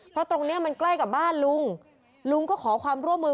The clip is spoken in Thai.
เพราะตรงเนี้ยมันใกล้กับบ้านลุงลุงก็ขอความร่วมมือ